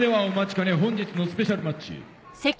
兼ね本日のスペシャルマッチ。